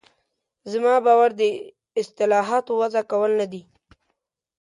زما باور د اصطلاحاتو وضع کول نه دي.